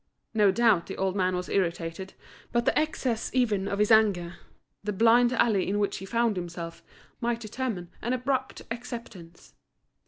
No doubt the old man was irritated, but the excess even of his anger, the blind alley in which he found himself, might determine an abrupt acceptance.